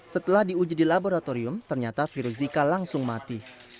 setelah diuji di laboratorium ternyata virus zika langsung mati